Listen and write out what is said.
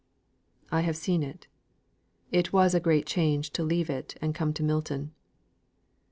"I have seen it. It was a great change to leave it and come to Milton."